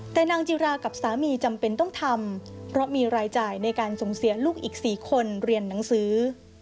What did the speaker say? แต่นางจิรากับสามีจำเป็นต้องทำเพราะมีรายจ่ายในการส่งเสียลูกอีก๔คนเรียนหนังสือ